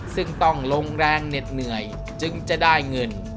ซึ่งต้องลงแรงเหน็ดเหนื่อยจึงจะได้เงิน